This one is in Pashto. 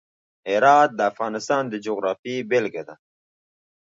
هرات د افغانستان د جغرافیې بېلګه ده.